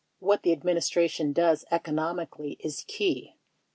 What the Administration does economically is key.